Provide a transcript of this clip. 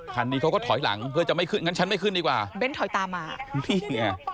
คันนี้เขาก็ถอยหลังเพื่อจะไม่ขึ้นงั้นฉันไม่ขึ้นดีกว่าเน้นถอยตามมานี่ไง